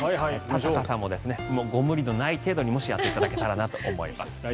田坂さんもご無理のない程度にやっていただければと思います。